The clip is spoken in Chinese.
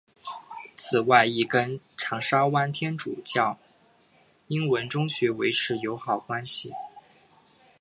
此外亦跟长沙湾天主教英文中学维持友好关系。